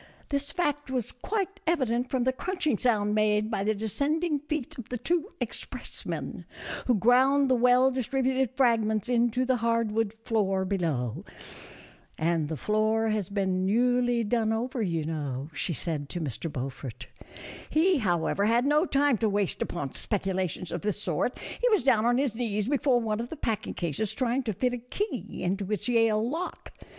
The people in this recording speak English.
This fact was quite evident from the crunching sound made by the descending feet of the two expressmen, who ground the well distributed fragments into the hard wood floor below. A FURNISHED COTTAGE BY THE SEA. 22J " And the floor has been newly done over, you know," she said to Mr. Beaufort. He, however, had no time to waste upon speculations of this sort ; he was down on his knees before one of the packing cases trying to fit a key into its Yale lock.